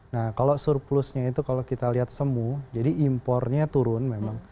nah kalau surplusnya itu kalau kita lihat semu jadi impornya turun memang